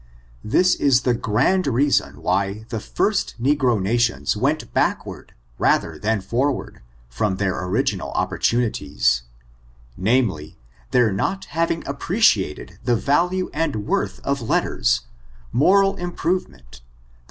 This is the grand reason why the first negro nations went backward rather than forward from their original op portunities, namely, their not having appreciated the ^ value and worth of letters^ moral improvement, the # FORTUNES, OF THE NEGRO RACE.